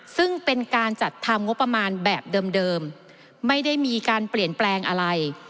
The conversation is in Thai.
ซึ่งเป็นการจัดทำงบประมาณแบบเดิมไม่ได้มีการเปลี่ยนแปลงอะไร